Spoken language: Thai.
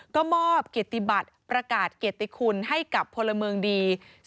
ก็มอบเกียรติบัติประกาศเกียรติคุณให้กับพลเมืองดี